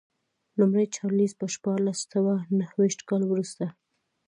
لومړی چارلېز په شپاړس سوه نهویشت کال وروسته.